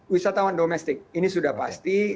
wisatawan domestik ini sudah pasti